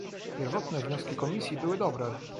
Pierwotne wnioski Komisji były dobre